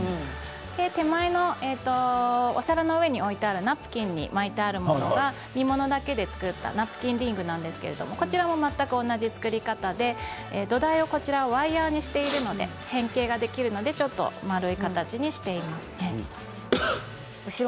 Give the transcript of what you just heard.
手前のお皿の上に置いてあるナプキンに巻いてあるものは実ものだけで作ったナプキンリングなんですけどこちらもさっきの作り方で土台のこちらはワイヤーにしているので変形ができるので丸い形にしています。